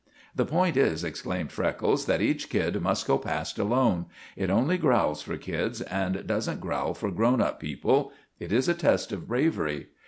"The point is," explained Freckles, "that each kid must go past alone. It only growls for kids, and doesn't growl for grown up people. It is a test of bravery.